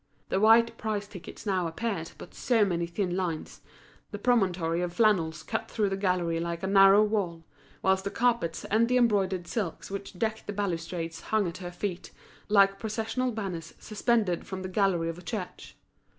The white price tickets now appeared but so many thin lines, the promontory of flannels cut through the gallery like a narrow wall; whilst the carpets and the embroidered silks which decked the balustrades hung at her feet like processional banners suspended from the gallery of a church.